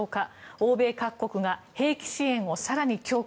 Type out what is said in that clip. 欧米各国が兵器支援を更に強化。